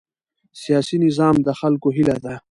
سیاسي نظام د خلکو هیله ده